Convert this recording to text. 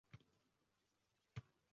So‘ng yig‘lab yubordim kaftimni ochib